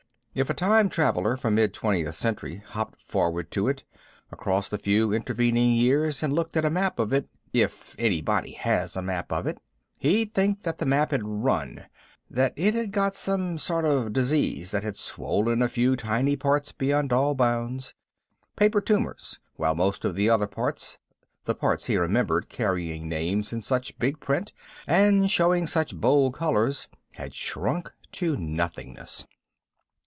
If a time traveler from mid Twentieth Century hopped forward to it across the few intervening years and looked at a map of it, if anybody has a map of it, he'd think that the map had run that it had got some sort of disease that had swollen a few tiny parts beyond all bounds, paper tumors, while most of the other parts, the parts he remembered carrying names in such big print and showing such bold colors, had shrunk to nothingness.